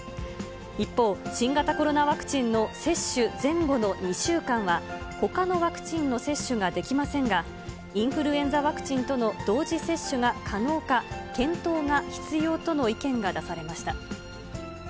一方、新型コロナワクチンの接種前後の２週間は、ほかのワクチンの接種ができませんが、インフルエンザワクチンとの同時接種が可能か、検討が必要との意見が出されました。